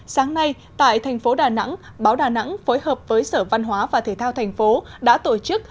sáng nay tại thành phố đà nẵng báo đà nẵng phối hợp với sở văn hóa và thể thao thành phố đã tổ chức